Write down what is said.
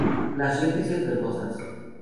Las rectrices verdosas.